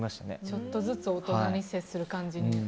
ちょっとずつ大人に接する感じに。